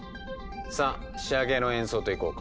さあ仕上げの演奏といこうか。